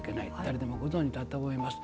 皆さん、ご存じだと思います。